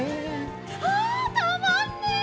あたまんね！